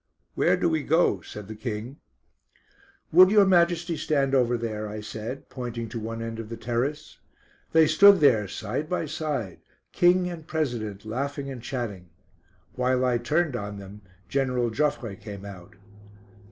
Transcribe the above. "Where do we go?" said the King. "Would your Majesty stand over there?" I said, pointing to one end of the terrace. They stood there side by side, King and President laughing and chatting. While I turned on them, General Joffre came out.